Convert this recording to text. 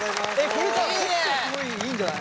これさ結構すごいいいんじゃない？